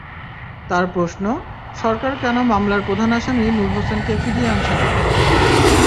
তাঁর প্রশ্ন, সরকার কেন মামলার প্রধান আসামি নূর হোসেনকে ফিরিয়ে আনছে না।